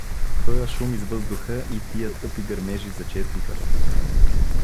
Тоя шум из въздуха и тия тъпи гърмежи зачестиха.